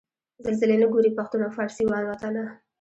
زلزلې نه ګوري پښتون او فارسي وان وطنه